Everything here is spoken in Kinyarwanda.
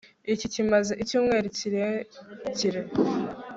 Iki kimaze icyumweru kirekire